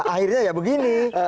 akhirnya ya begini